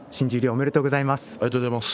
ありがとうございます。